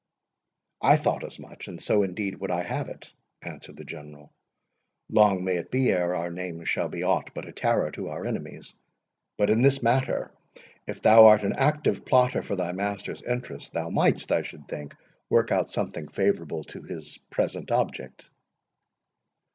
"I thought as much, and so, indeed, would I have it," answered the General. "Long may it be ere our names shall be aught but a terror to our enemies. But in this matter, if thou art an active plotter for thy master's interest, thou might'st, I should think, work out something favourable to his present object."